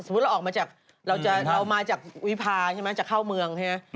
เราออกมาจากเรามาจากวิพาใช่ไหมจะเข้าเมืองใช่ไหม